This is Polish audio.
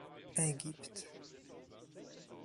Egipt